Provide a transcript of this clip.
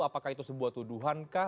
apakah itu sebuah tuduhan kah